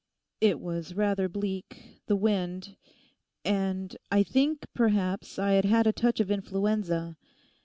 'It was rather bleak—the wind; and, I think, perhaps, I had had a touch of influenza.